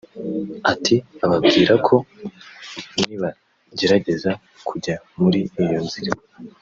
Ati “Bababwira ko nibagerageza kujya muri iyo nzira